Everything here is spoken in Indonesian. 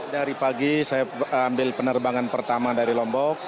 dari pagi saya ambil penerbangan pertama dari lombok